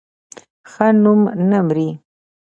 ښه نوم نه مري